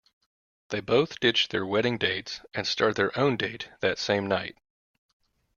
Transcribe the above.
They both ditch their wedding dates and start their own date that same night.